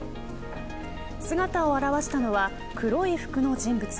姿を現したのは黒い服の人物。